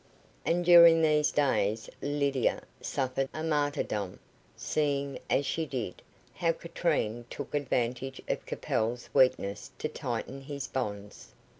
And during these days Lydia suffered a martyrdom, seeing, as she did, how Katrine took advantage of Capel's weakness to tighten his bonds.